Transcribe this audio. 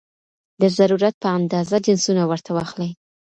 د ضرورت په اندازه جنسونه ورته واخلي